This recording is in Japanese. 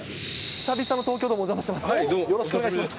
久々の東京ドームお邪魔してます。